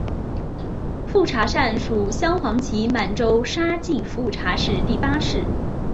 富察善属镶黄旗满洲沙济富察氏第八世。